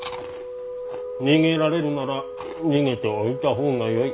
逃げられるなら逃げておいた方がよい。